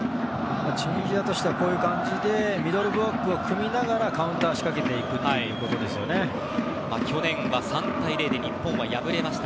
チュニジアとしてはこういう感じでミドルブロックを組みながらカウンターを去年は３対０で日本は敗れました。